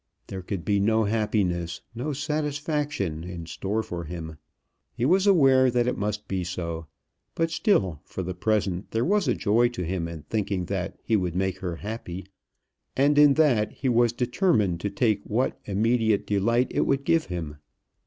There could be no happiness, no satisfaction, in store for him. He was aware that it must be so; but still for the present there was a joy to him in thinking that he would make her happy, and in that he was determined to take what immediate delight it would give him.